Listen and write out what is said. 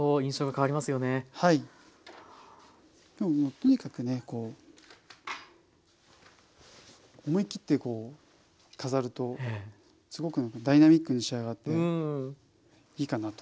とにかくねこう思い切って飾るとすごくダイナミックに仕上がっていいかなと。